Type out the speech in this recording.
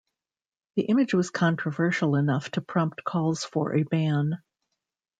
The image was controversial enough to prompt calls for a ban.